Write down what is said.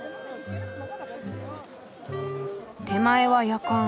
手前はやかん。